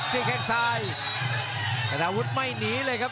แค่งซ้ายธนาวุฒิไม่หนีเลยครับ